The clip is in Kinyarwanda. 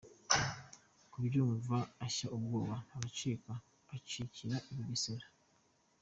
kubyumva ashya ubwoba aracika; acikira i Bugesera.